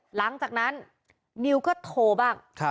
หลังจากนั้นนิวก็โทรบ้าง